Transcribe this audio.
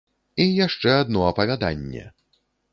І яшчэ адно апавяданне!